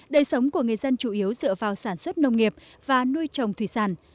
đời sống của người dân chủ yếu dựa vào sản xuất nông nghiệp và nuôi trồng thủy sản